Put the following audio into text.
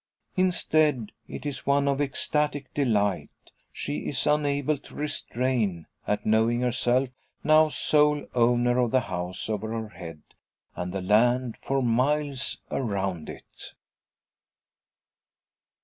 Instead, it is one of ecstatic delight, she is unable to restrain, at knowing herself now sole owner of the house over her head, and the land for miles around it!